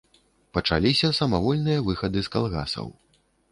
Пачаліся самавольныя выхады з калгасаў.